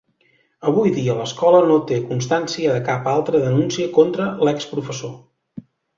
Avui dia l’escola no té constància de cap altra denúncia contra l’exprofessor.